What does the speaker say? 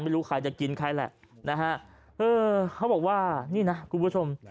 ไม่รู้ใครจะกินใครแหละนะฮะเออเขาบอกว่านี่นะคุณผู้ชม